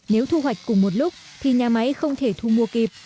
nếu thu hoạch cùng một lúc thì nhà máy không thể thu mua kịp